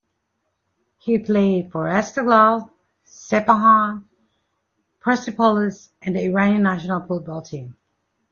He played for Esteghlal, Sepahan, Persepolis and the Iranian national football team.